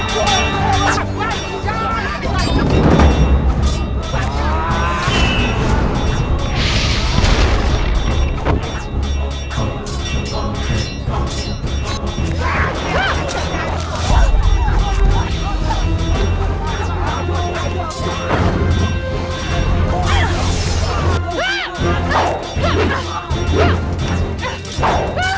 kamu pasti akan mengerti